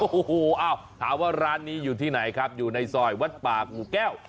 โอ้โหถามว่าร้านนี้อยู่ที่ไหนครับอยู่ในซอยวัดปากหมู่แก้ว